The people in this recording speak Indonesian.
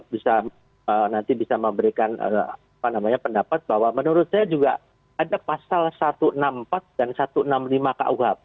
bisa nanti bisa memberikan pendapat bahwa menurut saya juga ada pasal satu ratus enam puluh empat dan satu ratus enam puluh lima kuhp